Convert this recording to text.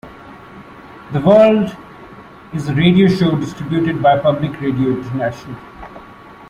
"The World" is a radio show distributed by Public Radio International.